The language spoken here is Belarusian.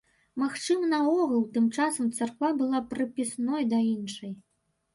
Магчыма, наогул, тым часам царква была прыпісной да іншай.